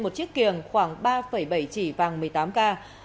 một chiếc kiềng khoảng ba bảy chỉ vàng một mươi tám k